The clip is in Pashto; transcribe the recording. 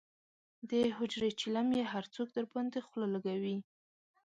د حجرې چیلم یې هر څوک درباندې خله لکوي.